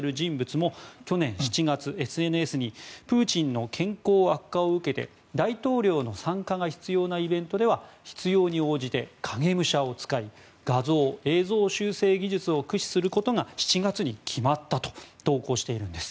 ロシア大統領府の内部情報に詳しいとされる人物も去年７月、ＳＮＳにプーチンの健康悪化を受けて大統領の参加が必要なイベントでは必要に応じて影武者を使い画像・映像修正技術を駆使することが７月に決まったと投稿しているんです。